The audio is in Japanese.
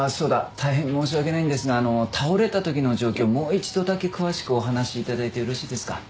大変申し訳ないんですが倒れた時の状況をもう一度だけ詳しくお話し頂いてよろしいですか？